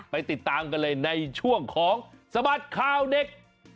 ไปติดตามกันเลยในช่วงของสบัดข่าวเด็ก